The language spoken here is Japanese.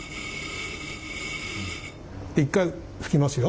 一回拭きますよ。